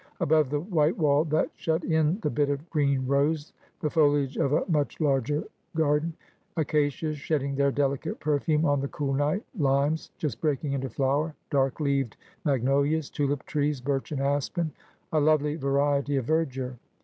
Above the white wall that shut in the bit of green rose the foliage of a much larger garden — acacias shedding their delicate perfume on the cool night, limes just breaking into flower, dark leaved mag nolias, tulip trees, birch and aspen — a lovely variety of verdure.